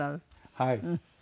はい。